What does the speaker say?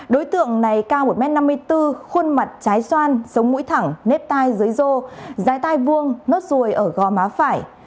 đối tượng này cao một m năm mươi bốn khuôn mặt trái xoan sống mũi thẳng nếp tai dưới rô dưới tai vuông nốt ruồi ở gò má phải